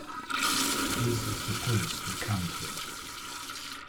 His is the first you come to.